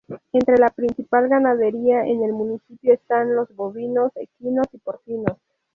Entre la principal ganadería en el municipio están los bovinos, equinos y porcinos.